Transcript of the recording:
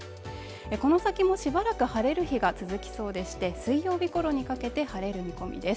この先もしばらく晴れる日が続きそうでして水曜日頃にかけて晴れる見込みです。